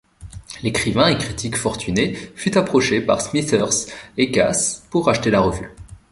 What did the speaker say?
L'écrivain et critique fortuné fut approché par Smithers et Cass pour racheter la revue.